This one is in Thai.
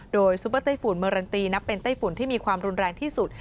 โดยซุปเปอร์ไต้ฝุ่นเมอรันตีนับเป็นไต้ฝุ่นที่มีความรุนแรงที่สุด